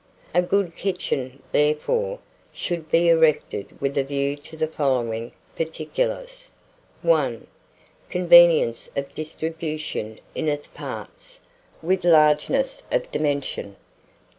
A good kitchen, therefore, should be erected with a view to the following particulars. 1. Convenience of distribution in its parts, with largeness of dimension.